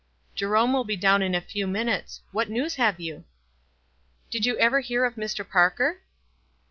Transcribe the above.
"Jerome will be down in a few minutes. What news have you ?" "Did you ever hear of Mr. Parker?"